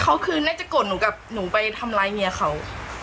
เหรอว่าเขาจะกดหนูหนูไปทำร้ายเมียเขา